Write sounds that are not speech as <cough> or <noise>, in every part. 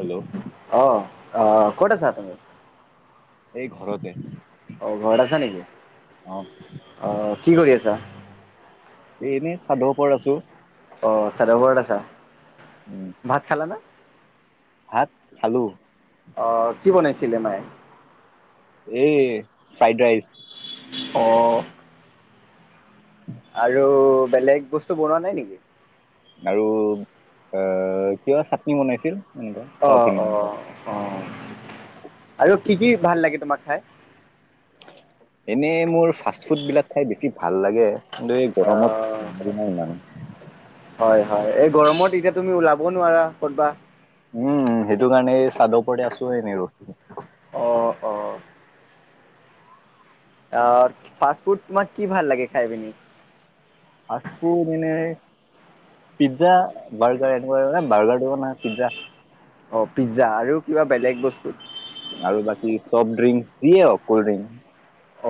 Hello অহ অহ ক'ত আছা তুমি এই ঘৰতে অহ ঘৰত আছা নেকি অ অহ কি কৰি আছা এনেই চাতৰ ওপৰ আছো অস চাদৰ ওপত আছা উম ভাত খালা নে ভাত খালো কি বনাইছিলে মায়ে এ ফ্ৰাইড ৰাইচ অ আৰু বেলেগ বস্তু বনোৱা নাই নেকি আৰু আহ কিবা চাটনি বনাইছিল এনেকুৱা অ চাউথ অ ইণ্ডিয়ান অ আৰু কি কি ভাল লাগে তোমাক খাই এনেই মোৰ ফাষ্ট ফুড বিলাক খাই বেছি ভাল লাগে কিন্তু এই অঁ গৰমত ইমান‌ হয় হয় এই গৰমত এতিয়া তুমি ওলাব নোৱাৰা ক'তবা উম সেইটো কাৰণে চাটৰ ওপৰতে আছো এনে ৰহি অঁহ অঁহ অহ ফাষ্ট ফুড তোমাক কি ভাল লাগে খাই পিনি ফাষ্ট ফুড এনে পিজ্জা বাৰ্গাৰ এনেকুৱা ন বাৰ্গাৰ দিব না পিজ্জা অহ পিজ্জা আৰু কিবা বেলেগ বস্তুত আৰু বাকী চফ্ট ড্ৰিংক দিয়ে হক কল্ড ড্ৰিংক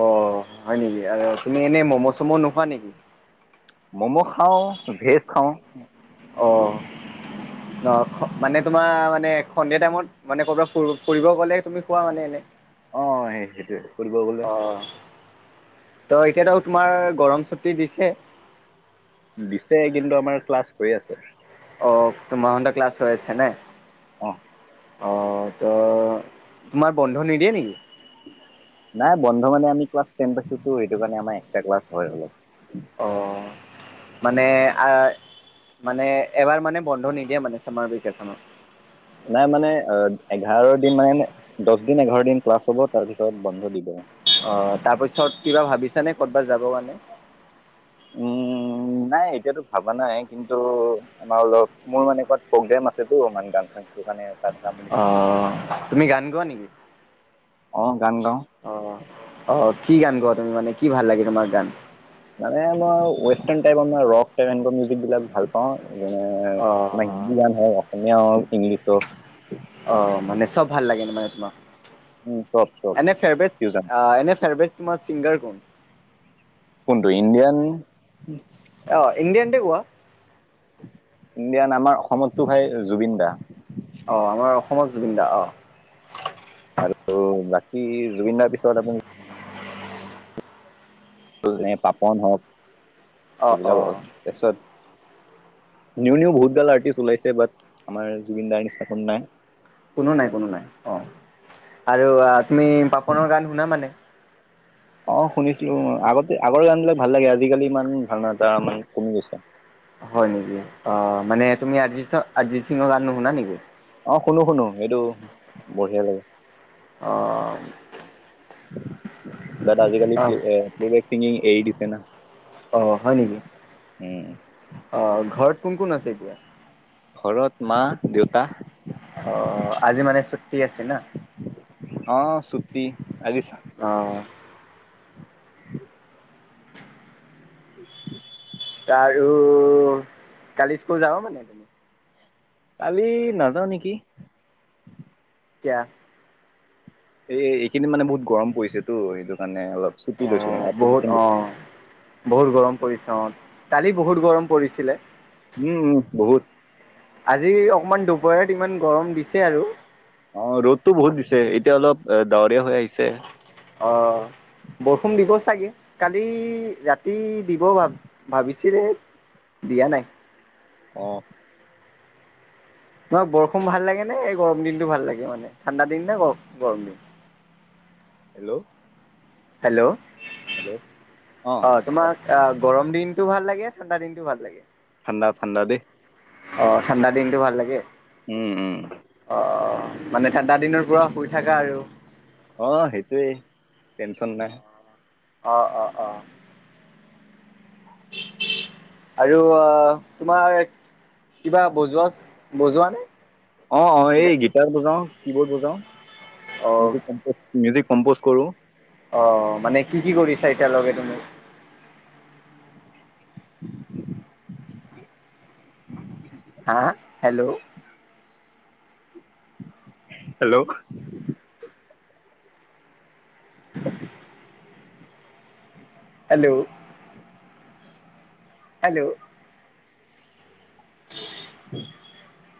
অহ হয় নেকি আৰু তুমি এনেই ম'ম' চম' নোখোৱা নেকি মম' খাও ভেজ খাওঁ অ'হ অহ মানে তোমাৰ মানে সন্ধিয়া টাইমত মানে ক'ৰবাত ফুৰি ফুৰিব গ'লে তুমি খোৱা মানে এনে অহ সেই সেইটোয়ে ফুৰি গলে তো এতিয়াাতো তোমাৰ গৰম চুটি দিছে দিছে কিন্তু আমাৰ ক্লাছ হৈ আছে অঁহ গৰম বন্ধ ক্লাছ হৈ আছেনেই অহ অহ ত তোমাৰ বন্ধ নিদিয়ে নেকি নাই বন্ধ মানে আমি ক্লাছ টেন পাইছো টো সেইটো কাৰণে আমাৰ এক্স ক্লাছ হয় অলপ অঁহ মানে মানে এবাৰ মানে বন্ধ নিদিয়ে মানে চামাৰ বিকে চামত নাই মানে অহ এঘাৰ দিন মানে দহ দিন এঘাৰ দিন ক্লাছ হ'ব তাৰ ভিছৰত বন্ধ দিব অহ তাৰপিছত কিবা ভাবিছানে ক'তবাত যাব কাৰণে উম নাই এতিয়াতো ভবা নাই কিন্তু আমাৰ অলপ মোৰ মানে কাত প্ৰগ্ৰেম আছেতো মানে ডান্স সেইটো কাৰণে তাত যাম বুলি অহ তুমি গান গোৱা নেকি অহ অহ অহ কি গান গোৱা তুমি মানে কি ভাল লাগে তোমাৰ গান মানে মই ৱেষ্টাৰ্ণ টাইপ আমাৰ ৰক টাইপ এ মিউজিক বিলাক ভাল পাওঁ সেইকাৰণে আমাৰ অ', হিন্দী গান হ অসমীয়া আৰু ইংলিছসক অ মানে চব ভাল লাগে মানে তোমাক চব চব এনে ফেব্ৰেট ফিউজন। এনে ফেব্ৰেট তোমাৰ চিংগাৰ কোন কোনটো ইণ্ডিয়ান আহ এনে এন্তে কোৱা ইণ্ডিয়া নামাৰ অসমততো হয় জুবিন দা অঁ আমাৰ অসমত জুবিন দা অঁ আৰু বাকী জুবিন দাৰ পিছত আপুনি পাপন হওক অ অ সেইবিলাক পাছত নিউ নিউ বহুত গাল আৰ্টিষ্ট ওলাইছে বাট আমাৰ জুবিন দাৰ নিচাপন নাই। কোনো নাই কোনো নাই অঁ। আৰু তুমি পাপনৰ গান শুনা মানে? অ শুনিছিলো আগতে আগৰ গান বিলাক ভাল লাগে আজিকালি ইমান ভাল ন এ তটা মানে কমি গৈছে। হয় নেকি অ মানে তুমি আৰিজ আৰিজিত সিঙৰ গান নুশুনা নেকি? অহ শুনো শুনো এইটো বঢ়িয়া লাগে। অ তাত আজিকালি অ প্লেবেক চিঙিং এৰি দিছে না। অঁহ হয় নেকি? উম্। আৰু ঘৰত কোন কোন আছে এতিয়া? ঘৰত মা, দেউতা, অঁহ আজি মানে ছুটি আছে না? অ সুতি আজিছা। অ উম আৰু কালি স্কুল যাবা মানে তুমি? কালি নাযাওঁ নেকি? কিয়? এই এইখিনি মানে বহুত গৰম পৰিছেতো সটো কাৰণে অলপ অ চুটি লৈছো, মানে বহুত আ অ বহুত গৰম পৰিছে অ তালি বহুত গৰম পৰিছিলে। উম বহুত। আজি অকমান দুপৰাত ইমান গৰম দিছে, আৰু অ ৰ'দতটো বহুত দিছে এতিয়া অলপ ডাৱৰীয়া হৈ আহিছে। অ বৰষুণ দিব চাগে কালি ৰাতি দিব ভ ভাবিছো। কি ৰে দিয়া নাই। আহ। নহ বৰষুণ ভাল লাগে নে এই গৰম দিনতটো ভাল লাগে, মানে ঠাণ্ডা দিন নেৰ গৰম দিন, চ হেল্ল' হেল্ল' হেল্ল' অ তোমাক। গৰম দিনটো ভাল লাগে ঠাণ্ডা দিনটো ভাল লাগে, ঠাণ্ডা ঠাণ্ডা দি। অ ঠাণ্ডা দিনটো ভাল লাগে। উম উম। অ মানে ঠাণ্ডা দিনৰ পৰা শুই থাকাকা আৰু। অ সেইটোৱেই টেনচন নাই। অ অ অ। এ। আৰু তোমাৰ কিবা বজোৱা বজোৱা নে? অ অ এই গিটাৰ বজাও কি বৰ্ড অ বজাও। মিউজিক কম্প'জ কৰো। অ মানে কি কি কৰিছা এতিয়ালকে তুমি? <unintelligible> হা হেল্ল'। হেল্ল'। <unintelligible> Hello hello. উম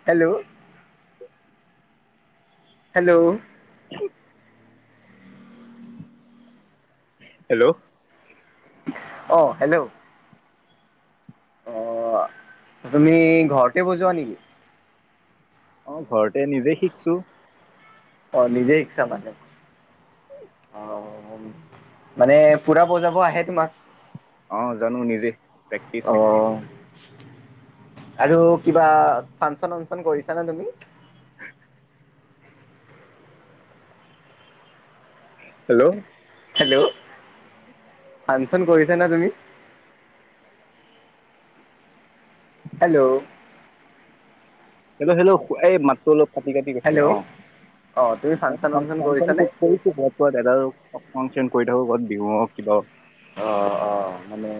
হেল্ল'। হেল্ল'। হেল্ল' অ হেল্ল' অ তুমি ঘৰতে বজোৱা নেকি অ ঘৰতে নিজে শিকছো অ নিজে শিকছা মানে অ মানে পুৰা বজাব আহে তোমাক অ জানো নিজে অ প্ৰেক্টিচ আৰু কিবা ফাংচন ৱাংচন কৰিছা নে তুমি <unintelligible> হেল্ল' হেল্ল' ফাংচন কৰিছা নে তুমি হেল্ল' সেই এই মাতটো অলপ কাটি কাটি গৈছিলে অ হেল্ল' অ তুমি <unintelligible> ফাংচন চাংচন কৰি কৰিছানে? থাকো ক'ত বিহু কিবা? অ অ মানে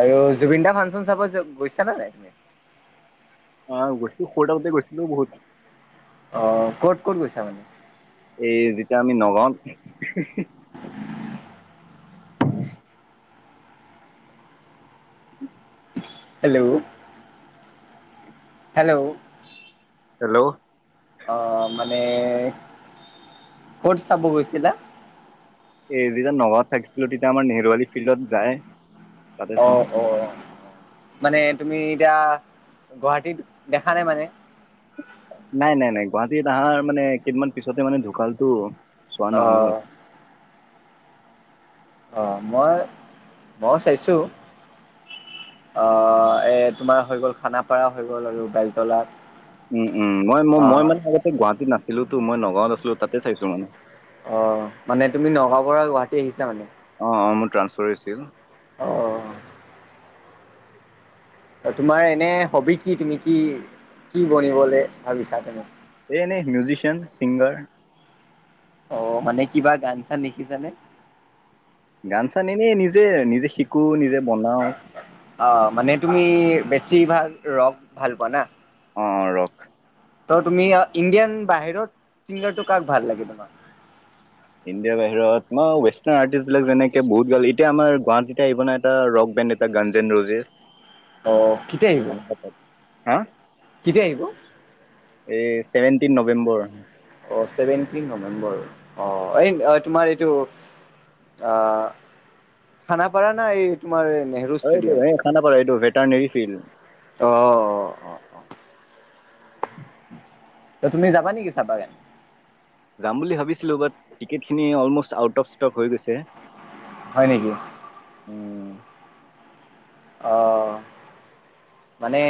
আৰু জুবিন দা ফাংচন চাব গৈছা নে নাই তুমি অ গৈছিলো সৰু থাকোঁতে গৈছিলো বহুত অ ক'ত ক'ত গৈছা মানে এই যেতিয়া আমি নগাঁৱত <unintelligible> হেল্ল' হেল্ল' হেল্ল' অ মানে ক'ত চাব গৈছিলা এ যেতিয়া নগাঁৱত থাকিছিলো তেতিয়া আমাৰ নেহৰুৱালী ফিল্ডত যাই তাতে চাও অ' অ' মানে তুমি এতিয়া গুৱাহাটীত দেখা নাই মানে নাই নাই নাই গুৱাহাটীত আহাৰ মানে কেইদিনমান পিছতে মানে ঢুকালটো চোৱা নহল গল অ' অ মই ময়ো চাইছো আ এ তোমাৰ হৈ গ'ল খানাপাৰা হৈ গ'ল আৰু বেলতলাত উম উম মই ম মই মানে আগতে গুৱাহাটীত নাছিলোটো মই নগাঁওত আছিলো তাতে চাইছো মানে অ মানে তুমি নগাঁও পৰা গুৱাহাটী আহিছা মানে অ অ মোৰ ট্ৰান্সফাৰ হৈছিল অ তোমাৰ এনে হবি কি তুমি কি কি বনিবলৈ ভাবিছা তোমাক এনে মিউচিয়ান চিংগাৰ অ মানে কিবা গান চান লিখিছানে গান চান এনেই নিজে নিজে শিকো নিজে বনাও অ মানে তুমি বেছিভাগ ৰক ভাল পোৱা না অ ৰক ত তুমি ইণ্ডিয়ান বাহিৰত ছিংগাৰটো কাক ভাল লাগে তোমাৰ ইণ্ডিয়াৰ বাহিৰত মই ৱেষ্টাৰ্ণ আৰ্টিষ্ট বিলাক যেনেকে বহুত এতিয়া আমাৰ গুৱাহাটীতে আহিব ন এটা ৰক টা গঞজেন ৰোজেছ অ কেতিয়া আহিব হা কেতিয়া আহিব এই ছেভেনটিন নৱেম্বৰ অ ছেভেনটিন নৱেম্বৰ অ এই তোমাৰ এইটো অ খানাপাৰা না এই আমাৰ নেহৰু এইটো ষ্টেডিয়াম, এই খানাপাৰা এইটো ভেটাৰনেৰী ফিল্ড অ অ অ অ। ত তুমি যাবা নেকি চাবা গ? যাম বুলি ভাবিছিলো, বাট টিকেট খিনি অলমষ্ট আউট অফ ষ্টক হৈ গৈছে। হয় নেকি? উম অহ মানে,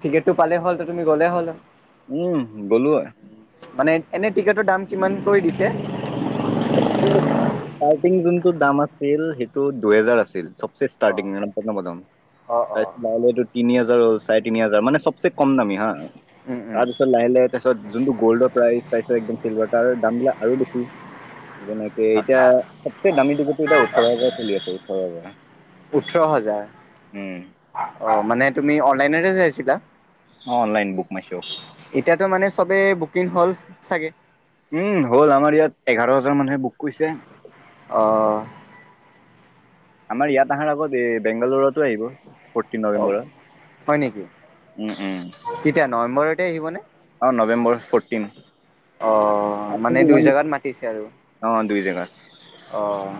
টিকেটটো পালেই হ'ল, ত তুমি গ'লেই হ'ল। উম গলো হয়। মানে এনে টিকেটোৰ দাম কিমানকৈ দিছে? তো ষ্টাৰ্টিং যোনটো দাম আছিল, সেইটো দুহেজাৰ আছিল চবচে অ ষ্টাৰ্টিং প্ৰথম প্ৰথম। অ অ তাৰত ল এইটো তিনি হাজাৰ হ'ল চাৰে তিনি হাজাৰ, মানে চবচে কম দামী হা। উম উম তাৰপিছত লাহে লাহে তাৰপিছত যোনটো গ'ল্ডৰ প্ৰ একদম চিলভাৰ তাৰ দামবিলাক আৰু বেছি। তেনেকে এতিয়া চবচে দামী দিগতো এটা ওঠৰহাজাৰ চলি আছে ওঠৰহাজাৰ। ওঠৰ হাজাৰ। অ মানে তুমি অনলাইনতে চাইছিলা? অনলাইন বুক মাই শ্ব' এতিয়াতো মানে চবে বুকিং হল চাগে। উম হ'ল। আমাৰ ইয়াত এঘাৰ হাজাৰ মানুহে বুক কৰিছে। অ। আমাৰ ইয়াত আহাৰ আগত এই বেংগালৰতো আহিব ফৰ্টিন অ নৱেম্বৰত। হয় নেকি? উম উম কেতিয়া নৱেম্বৰতে আহিবনে অ নৱেম্বৰ ফৰটিন। অঁ মানে দুই জেগাত মাতিছে আৰু অ দুই জেগাত অঁ।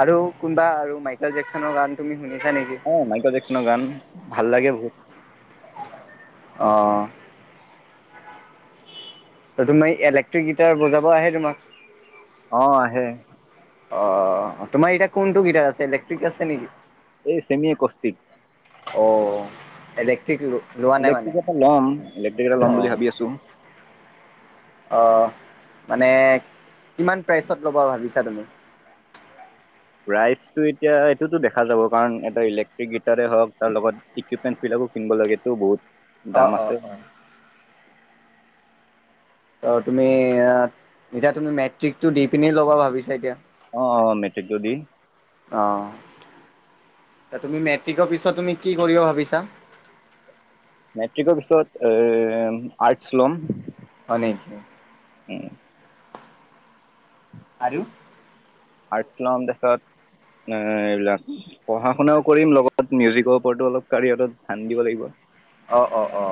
আৰু কোনোবা আৰু মাইকেল জেকচনৰ গান তুমি শুনিছা নেকি আহ মাইকেল জেকচনৰ গান ভাল লাগে বহুত। অঁ। আৰু তোমাৰ ইলেক্ট্ৰিক গিটাৰ বজাব আহে তোমাক? অ আহে। অ তোমাৰ এতিয়া কোনটো গিটাৰ আছে ইলেক্ট্ৰিক আছে নেকি? এই চেমীয়ে কস্তিক। অ এনে ঠিক লোৱা নাই মানে ইলেক্ট্ৰিক এটা ল'ম ইলেক্ট্ৰিক এটা ল'ম অ। বুলি ভাবি আছো অ মানে কিমান প্ৰাইচত ল'বা ভাবিছা তুমি? <unintelligible> প্ৰাইচটো এতিয়া এইটোতো দেখা যাব। কাৰণ এটা ইলেক্ট্ৰিক গীতাৰে হওক, তাৰ লগত ইকুইপমেন্ট বিলাক কিনিব লাগেতো বহুত। দাম অঁ অঁ আছে অঁ। ত তুমি এতিয়া তুমি মেট্ৰিকটো দি পিনি ল'বা ভাবিছা এতিয়া? অ অ মেট্ৰিকটো দি। অ'। তুমি মেট্ৰিকৰ পিছত তুমি কি কৰিব ভাবিছা? মেট্ৰিকৰ পিছত এ আৰ্টছ লম। হয় নেকি। উম। আৰু আৰ্টছ লম। তাৰপাছত ন এইবিলাক পঢ়া শুনাও কৰিম, লগত মিউজিকৰ ওপৰতো অলপ কয়াৰত ধ্যান দিব লাগিব। অ অ অ।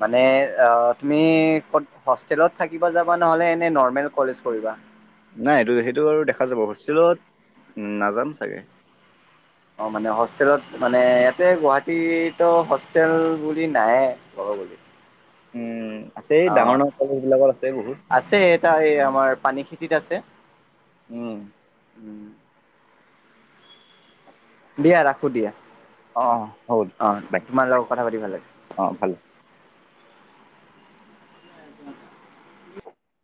মানে অ তুমি হষ্টেলত থাকিব যাবা নে এনেই নৰ্মেল কলেজ পঢ়িবা? নাই এইটো সেইটো আৰু দেখা যাব, হোষ্টেলত উ নাযাম চাগে। অ মানে হোষ্টেলত মানে ইয়াতে গুৱাহাটীতো হোষ্টেল বুলি নাই। <unintelligible> উম আছে অ ডাঙৰ ডাঙৰ কলেজ বিলাকত আছে বহুত আছে এটা এই আমাৰ পানী খেতিত আছে। উম। দিয়া ৰাখো দিয়া। অ হ'ল অহ বাই তোমাৰ লগত কথা পাতি ভাল লাগিছে। অ ভাল